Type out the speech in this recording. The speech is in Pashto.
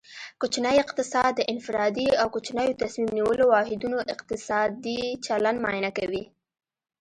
کوچنی اقتصاد د انفرادي او کوچنیو تصمیم نیولو واحدونو اقتصادي چلند معاینه کوي